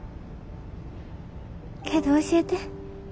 けど教えて。